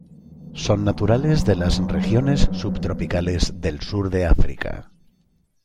Son naturales de las regiones subtropicales del sur de África.